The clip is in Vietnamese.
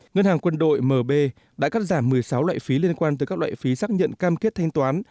ngân hàng quân đội mb đã cắt giảm một mươi sáu loại phí liên quan tới các loại phí xác nhận cam kết thanh toán